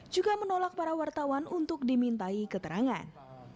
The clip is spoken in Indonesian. juga menolak para wartawan untuk dimintai keterangan